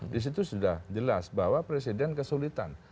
di situ sudah jelas bahwa presiden kesulitan